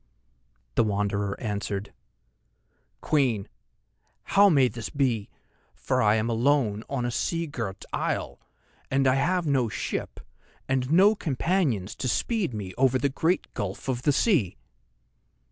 The Wanderer answered: "Queen, how may this be, for I am alone on a seagirt isle, and I have no ship and no companions to speed me over the great gulf of the sea?"